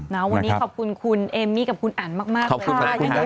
นะครับวันนี้ขอบคุณคุณเอมมี่กับคุณอันมากเลยนะครับยังได้ขอบคุณครับ